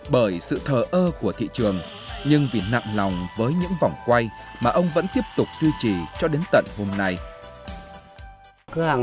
bởi sự thờ ơ của đàn ông này đàn ông này vẫn gắn bó với những chiếc đèn kéo quân